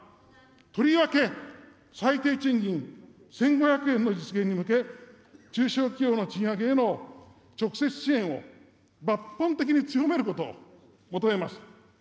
とりわけ最低賃金１５００円の実現に向け、中小企業の賃上げへの直接支援を抜本的に強めることを求めます。